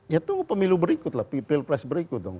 ya tunggu pemilu berikut lah pilpres berikut dong